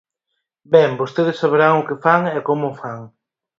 Ben, vostedes saberán o que fan e como o fan.